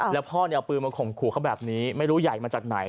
แล้วพ่อเนี่ยเอาปืนมาข่มขู่เขาแบบนี้ไม่รู้ใหญ่มาจากไหน